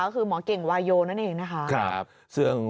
ก็คือหมอเก่งวายโยนั่นเองนะคะ